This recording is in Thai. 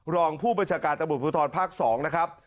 รองผู้บัญชาการตำรวจภูทรภาค๒นะครับ